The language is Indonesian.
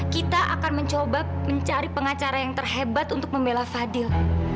kita akan mencoba mencari pengacara yang terhebat untuk membela fadil